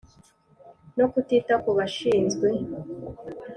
no kutita kubashinzwe.